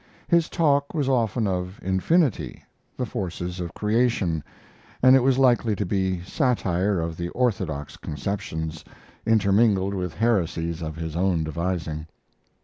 His talk was often of infinity the forces of creation and it was likely to be satire of the orthodox conceptions, intermingled with heresies of his own devising.